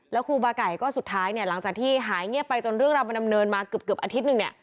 แล้วครูบาไก่ก็สุดท้ายเนี่ยหลังจากที่หายเงียบไปจนเรื่องราวมันดำเนินมาเกือบอาทิตย์หนึ่งเนี่ย